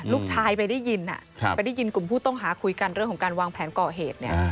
ลูกชายไปได้ยินไปได้ยินกลุ่มผู้ต้องหาคุยกันเรื่องของการวางแผนก่อเหตุเนี่ย